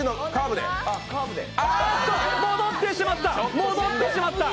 戻ってしまった。